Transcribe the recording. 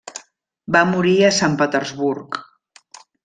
Va morir a Sant Petersburg.